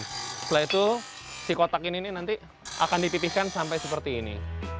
setelah itu si kotak ini nanti akan dipipihkan sampai seperti ini